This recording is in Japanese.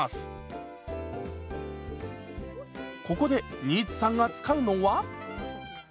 ここで新津さんが使うのは？